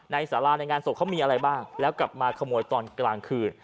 สาราในงานศพเขามีอะไรบ้างแล้วกลับมาขโมยตอนกลางคืน